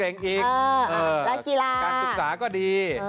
แล้วกีฬาการศึกษาก็ดี